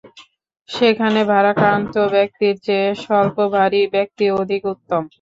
সেখানে ভারাক্রান্ত ব্যক্তির চেয়ে স্বল্পভারী ব্যক্তি অধিক উত্তম।